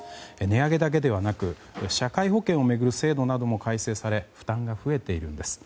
値上げだけではなく社会保険を巡る制度なども改正され負担が増えているんです。